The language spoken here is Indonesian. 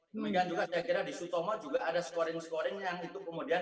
demikian juga saya kira di sutomo juga ada scoring scoring yang itu kemudian